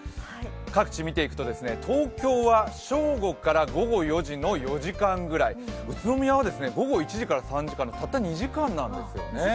各地見ていくと東京は正午から午後４時の４時間くらい、宇都宮は午後１時から３時のたった２時間なんですよね。